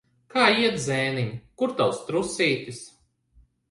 Kā iet, zēniņ? Kur tavs trusītis?